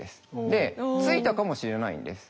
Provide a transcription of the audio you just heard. でついたかもしれないんです。